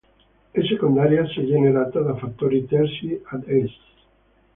È secondaria se generata da fattori terzi, ad es.